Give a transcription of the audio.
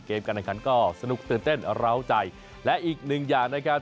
การแข่งขันก็สนุกตื่นเต้นร้าวใจและอีกหนึ่งอย่างนะครับ